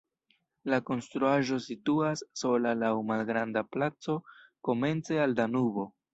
La konstruaĵo situas sola laŭ malgranda placo komence al Danubo.